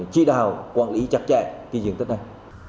chỉ đào quản lý chặt chẽ cái diện tích này